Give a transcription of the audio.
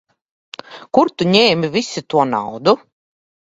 Kur tu ņēmi visu to naudu?